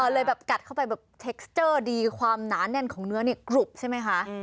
เลยแบบกัดเข้าไปแบบเทคสเจอร์ดีความหนาแน่นของเนื้อนี่กรุบใช่ไหมคะ